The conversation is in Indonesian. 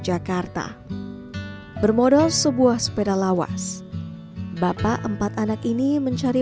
jakarta bermodal sebuah sepeda lawas bapak empat anak ini mencari